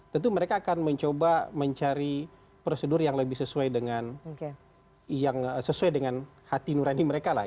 tentu mereka akan mencoba mencari prosedur yang lebih sesuai dengan hati nurani mereka lah